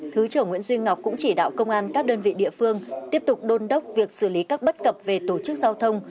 thứ trưởng nguyễn duy ngọc cũng chỉ đạo công an các đơn vị địa phương tiếp tục đôn đốc việc xử lý các bất cập về tổ chức giao thông